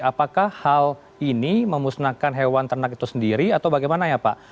apakah hal ini memusnahkan hewan ternak itu sendiri atau bagaimana ya pak